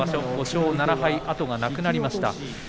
５勝７敗で後がなくなりました。